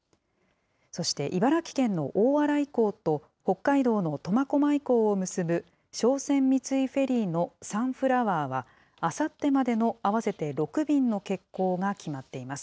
そして茨城県の大洗港と北海道の苫小牧港を結ぶ商船三井フェリーのさんふらわあは、あさってまでの合わせて６便の欠航が決まっています。